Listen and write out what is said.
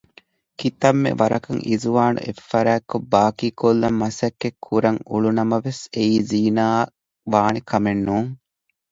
ކިތައްމެ ވަރަކަށް އިޒުވާނު އެއްފަރާތްކޮށް ބާކީކޮށްލަން މަސައްކަތް ކުރަން އުޅުނަމަވެސް އެއީ ޒީނާއަށް ވާނެ ކަމެއް ނޫން